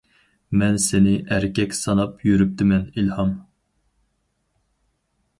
-مەن سىنى ئەركەك ساناپ يۈرۈپتىمەن ئىلھام.